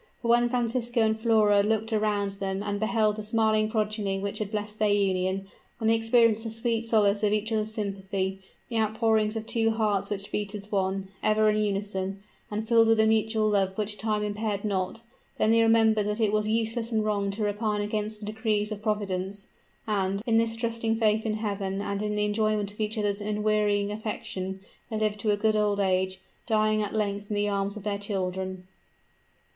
For when Francisco and Flora looked around them and beheld the smiling progeny which had blessed their union, when they experienced the sweet solace of each other's sympathy, the outpourings of two hearts which beat as one, ever in unison, and filled with a mutual love which time impaired not, then they remembered that it was useless and wrong to repine against the decrees of Providence; and, in this trusting faith in Heaven and in the enjoyment of each other's unwearying affection, they lived to a good old age dying at length in the arms of their children.